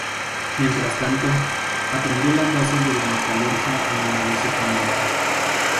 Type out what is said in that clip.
Mientras tanto, aprendió las bases de la metalurgia en el negocio familiar.